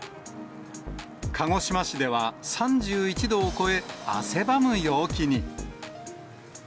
鹿児島市では３１度を超え、汗ばむ陽気に。